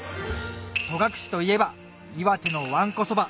戸隠といえば岩手のわんこそば